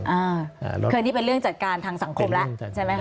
อ่าคืออันนี้เป็นเรื่องจัดการทางสังคมแล้วใช่ไหมคะ